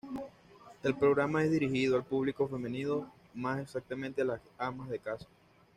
El programa es dirigido al público femenino, más exactamente a las amas de casa.